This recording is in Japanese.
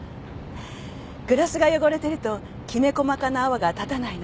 グラスが汚れてるときめ細かな泡が立たないの。